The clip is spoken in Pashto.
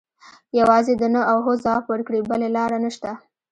یوازې د نه او هو ځواب ورکړي بله لاره نشته.